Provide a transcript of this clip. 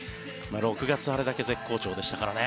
６月あれだけ絶好調でしたからね。